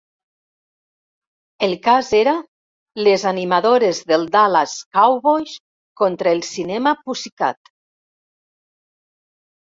El cas era "Les animadores dels Dallas Cowboys contra el Cinema Pussycat".